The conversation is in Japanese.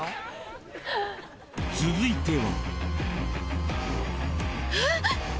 ［続いては］